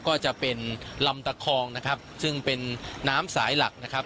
ก็จะเป็นลำตะคองนะครับซึ่งเป็นน้ำสายหลักนะครับ